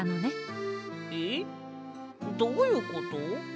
えっどういうこと？